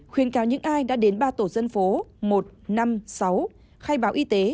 khuyên cáo những ai đã đến ba tổ dân phố một năm sáu khai báo y tế